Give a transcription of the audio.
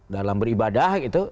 dalam beribadah gitu